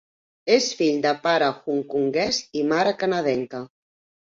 És de fill de pare hongkonguès i mare canadenca.